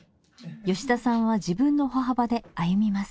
吉田さんは自分の歩幅で歩みます。